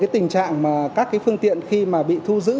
tình trạng các phương tiện khi bị thu giữ